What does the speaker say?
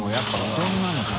どんなのかな？